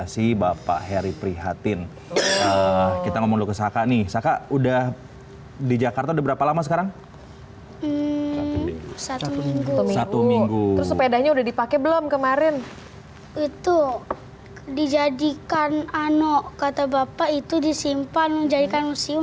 sepedanya udah dipakai belum kemarin itu dijadikan ano kata bapak itu disimpan menjadikan museum